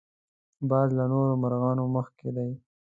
باز له نورو مرغانو مخکښ دی